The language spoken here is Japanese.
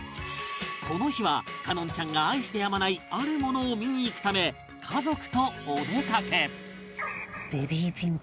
この日は叶穏ちゃんが愛してやまないあるものを見に行くため家族とお出かけ